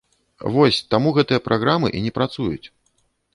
Вось, таму гэтыя праграмы і не працуюць.